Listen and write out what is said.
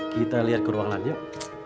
kita lihat ke ruang lain yuk